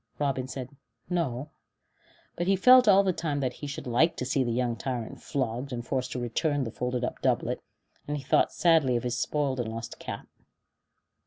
Robin said "No," but he felt all the time that he should like to see the young tyrant flogged and forced to return the folded up doublet; and he thought sadly of his spoiled and lost cap.